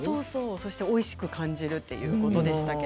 そしておいしくなるということでした。